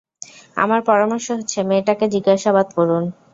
আমার পরামর্শ হচ্ছে, মেয়েটাকে জিজ্ঞাসাবাদ করুন।